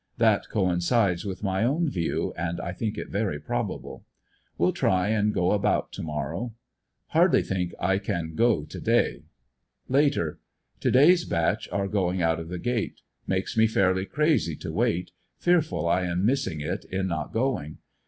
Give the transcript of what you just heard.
That coincides with my own view, and I think it very probable. Will try and go about to morrow. Hard ly think I can go to day. Later. — The to day's batch are goini; out of the gate. Makes me fairly crazy to wait, fearful I am miss ing it in not going.